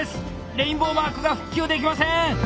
レインボーマークが復旧できません！」。